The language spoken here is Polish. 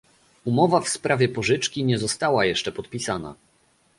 Umowa w sprawie pożyczki nie została jeszcze podpisana